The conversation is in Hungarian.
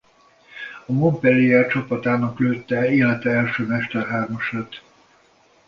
A Montpellier csapatának lőtte élete első mesterhármasát.